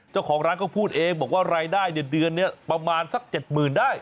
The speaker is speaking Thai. เจ้าของร้านก็พูดเองบอกว่ารายได้เดือนนี้ประมาณสัก๗๐๐๐ได้